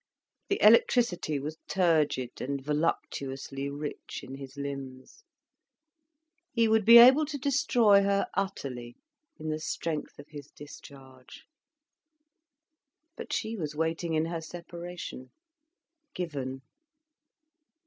The electricity was turgid and voluptuously rich, in his limbs. He would be able to destroy her utterly in the strength of his discharge. But she was waiting in her separation, given.